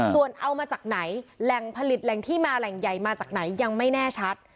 ส่วนเอามาจากไหนแหล่งผลิตแหล่งที่มาแหล่งใหญ่มาจากไหนยังไม่แน่ชัด